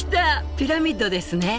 ピラミッドですね。